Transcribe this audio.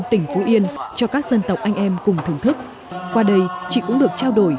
tỉnh phú yên cho các dân tộc anh em cùng thưởng thức qua đây chị cũng được trao đổi